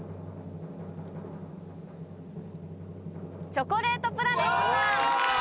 チョコレートプラネットさん。